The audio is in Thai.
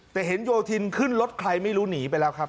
แต่เห็นโยธินขึ้นรถใครไม่รู้หนีไปแล้วครับ